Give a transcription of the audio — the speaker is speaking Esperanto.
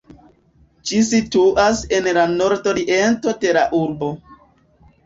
Ĝi situas en la nordoriento de la urbo.